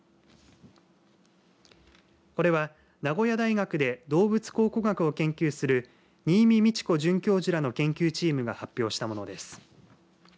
これは名古屋大学で動物考古学を研究する新美倫子准教授らの研究チームが発表したものです。